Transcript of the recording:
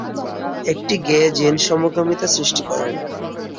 একটি gay gene সমকামিতা সৃষ্টি করে না।